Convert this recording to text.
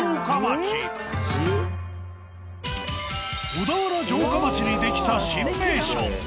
小田原城下町にできた新名所！